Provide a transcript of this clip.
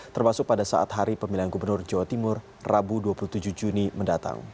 termasuk pada saat hari pemilihan gubernur jawa timur rabu dua puluh tujuh juni mendatang